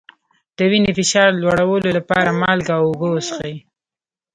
د وینې فشار لوړولو لپاره مالګه او اوبه وڅښئ